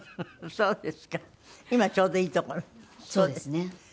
そうですね。